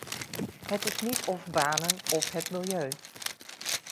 Het is niet of banen of het milieu.